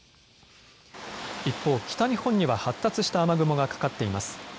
一方、北日本には発達した雨雲がかかっています。